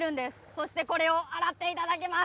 そしてこれを洗っていただきます。